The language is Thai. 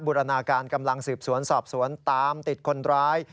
รณาการกำลังสืบสวนสอบสวนตามติดคนร้าย